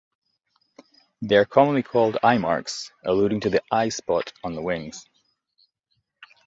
They are commonly called eyemarks, alluding to the eyespot on the wings.